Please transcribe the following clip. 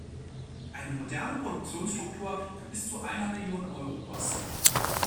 Eine moderne Produktionsstruktur kann bis zu einer Million Euro kosten.